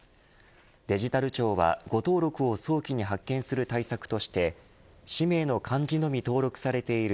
デジタル庁は誤登録を早期に発見する対策として氏名の漢字のみ登録されている